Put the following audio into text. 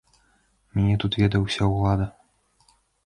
Мяне тут ведае ўся ўлада!